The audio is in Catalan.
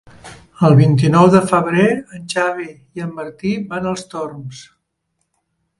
El vint-i-nou de febrer en Xavi i en Martí van als Torms.